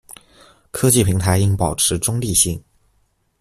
科技平台應保持中立性